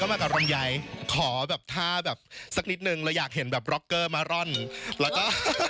ก็มากับรำยายขอแบบถ้าแบบสักนิดนึงเราอยากเห็นแบบมาร่อนแล้วก็